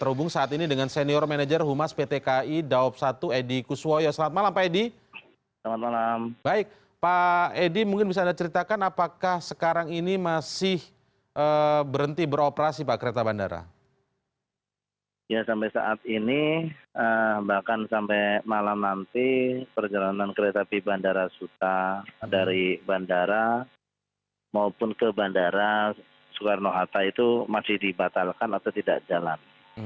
hari ini bahkan sampai malam nanti perjalanan kereta pi bandara suta dari bandara maupun ke bandara soekarno hatta itu masih dibatalkan atau tidak jalan